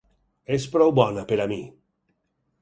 És prou bona per a mi!